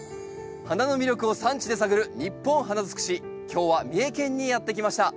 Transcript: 花の魅力を産地で探る「ニッポン花づくし」今日は三重県にやって来ました。